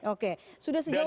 oke sudah sejauh mana